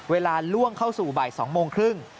เวลาล่วงเข้าสู่บ่าย๒โมงครึ่ง